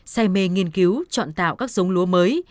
say mê nghiên cứu chọn tạo các giống lúa mới